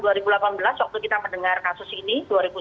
waktu kita mendengar kasus ini